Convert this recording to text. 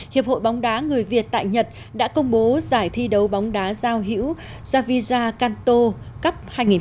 hiệp hội bóng đá người việt tại nhật đã công bố giải thi đấu bóng đá giao hữu javija kanto cấp hai nghìn một mươi tám